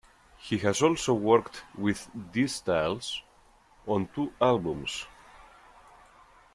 He has also worked with D-Styles on two albums.